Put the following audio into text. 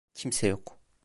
Kimse yok.